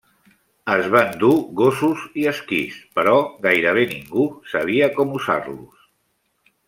Es van dur gossos i esquís, però gairebé ningú sabia com usar-los.